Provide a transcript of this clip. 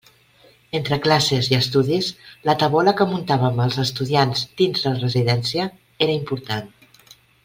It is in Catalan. Entre classes i estudis, la tabola que muntàvem els estudiants dins la residència era important.